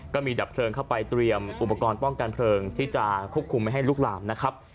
มีดับเพลิงเข้าไปเตรียมอุปกรณ์ป้องกันเพลิงที่จะควบคุมไม่ให้ลุกลามนะครับ